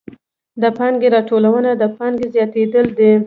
د پانګې راټولونه د پانګې زیاتېدل دي